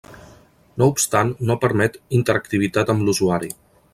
No obstant no permet interactivitat amb l'usuari.